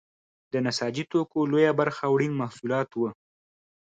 د نساجي توکو لویه برخه وړین محصولات وو.